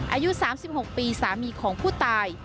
อายุ๓๖ปีสามีของผู้ตาย